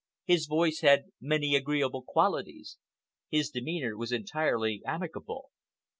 His voice had many agreeable qualities. His demeanor was entirely amicable.